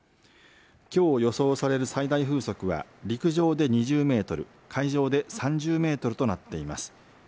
きょう予想される最大風速は陸上で２０メートル海上で３０メートルとなっています。